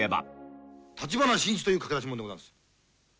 橘真一という駆け出し者でございます。